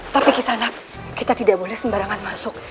tapi kisanak kita tidak boleh sembarangan masuk